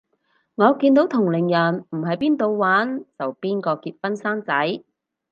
我見到同齡人唔係邊到玩就邊個結婚生仔